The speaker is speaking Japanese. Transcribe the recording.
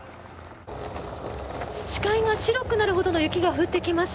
視界が白くなるほどの雪が降ってきました。